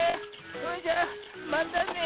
それじゃまたね。